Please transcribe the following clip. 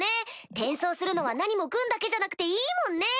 転送するのは何も軍だけじゃなくていいもんね！